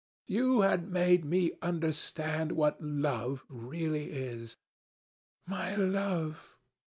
You had made me understand what love really is. My love!